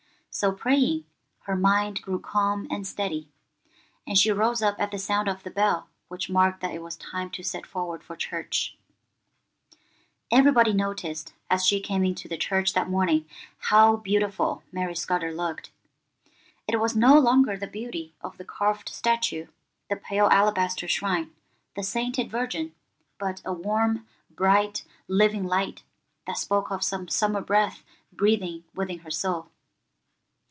So praying, her mind grew calm and steady, and she rose up at the sound of the bell which marked that it was time to set forward for church. Everybody noticed, as she came into the church that morning, how beautiful Mary Scudder looked. It was no longer the beauty of the carved statue, the pale alabaster shrine, the sainted virgin, but a warm, bright, living light, that spoke of some summer breath breathing within her soul.